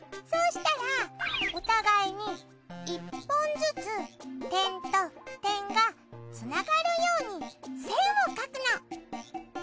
そうしたらお互いに１本ずつ点と点がつながるように線を書くの。